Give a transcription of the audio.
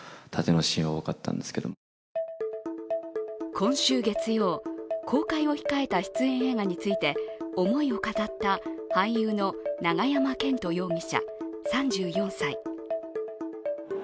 今週月曜、公開を控えた出演映画について思いを語った俳優の永山絢斗容疑者、３４歳。